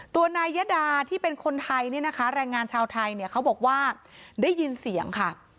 ตัวนายยดาที่เป็นคนไทยเนี่ยนะคะแรงงานชาวไทยเนี่ยเขาบอกว่าได้ยินเสียงค่ะ